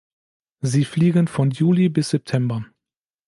Sie fliegen von Juli bis September.